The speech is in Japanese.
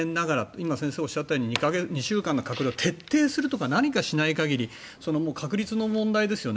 今先生がおっしゃったように２週間の隔離を徹底するとか何かしない限り確率の問題ですよね。